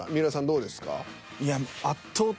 どうですか？